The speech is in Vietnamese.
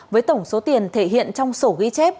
với tổng số tiền thể hiện trong sổ ghi chép